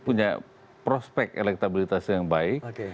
punya prospek elektabilitas yang baik